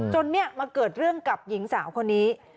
เนี่ยมาเกิดเรื่องกับหญิงสาวคนนี้